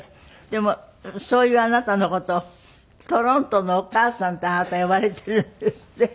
でもそういうあなたの事を「トロントのお母さん」ってあなた呼ばれているんですって？